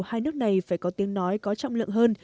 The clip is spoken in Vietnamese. hai nước này phải có tiếng nói có trọng lượng hơn